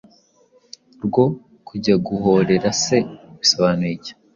rwo kujya guhorera se? Bisobanure.